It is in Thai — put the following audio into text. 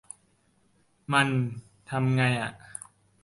มันทำไงอะ